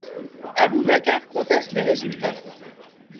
Abubakar conteste les résultats.